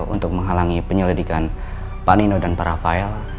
untuk menghalangi penyelidikan pak nino dan para rafael